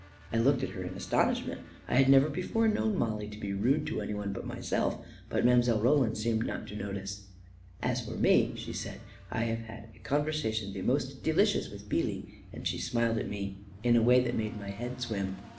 I looked at her in astonishment. I had never be fore known Mollie to be rude to anyone but myself. But Mile. Roland seemed not to notice. " As for me," she said, " I have had a conversa tion the most delicious with Beelee," and she smiled at me in a way that made my head swim.